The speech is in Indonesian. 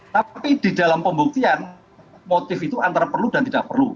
tapi di dalam pembuktian motif itu antara perlu dan tidak perlu